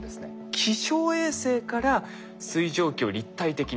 気象衛星から水蒸気を立体的にとらえよう。